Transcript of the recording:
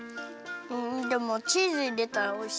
うんでもチーズいれたらおいしい。